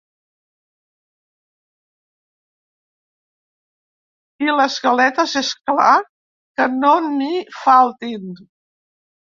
I les galetes, és clar, que no n’hi faltin.